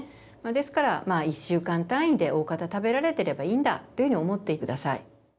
ですから１週間単位でおおかた食べられてればいいんだというふうに思って下さい。